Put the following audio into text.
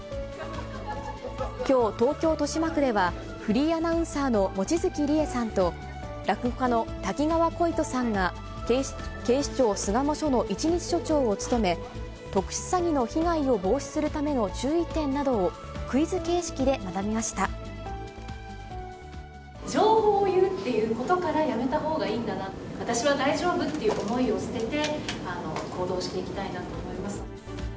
きょう、東京・豊島区では、フリーアナウンサーの望月理恵さんと、落語家の瀧川鯉斗さんが、警視庁巣鴨署の一日署長を務め、特殊詐欺の被害を防止するための注意点などをクイズ形式で学びま情報を言うっていうことから、やめたほうがいいんだな、私は大丈夫っていう思いを捨てて、行動していきたいなと思います。